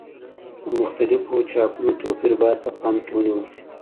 د مختلفو چاپونو توپیر باید په پام کې ونیول شي.